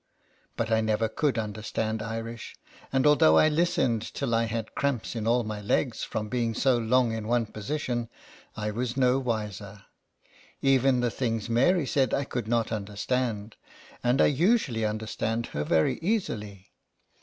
But I never could understand Irish, and although I listened till I had cramps in all my legs, from being so long in one position, I was no wiser. Even the things Mary said I could not understand, and I usually understand her very easily.